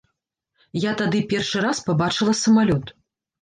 Я тады першы раз пабачыла самалёт.